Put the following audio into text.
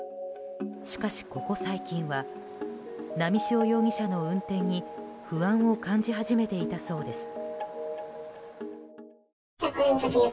しかし、ここ最近は波汐容疑者の運転に不安を感じ始めていたそうです。